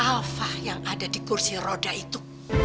alfa yang ada di kursi roda itu